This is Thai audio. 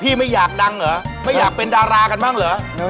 ไม่อยากดังเหรอไม่อยากเป็นดารากันบ้างเหรอ